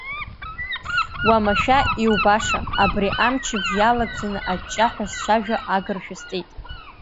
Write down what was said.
Уамашәа иубаша, абри амчыбжь иалагӡаны аҷҷаҳәа сцәажәо агыршәа сҵеит.